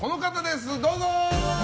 どうぞ！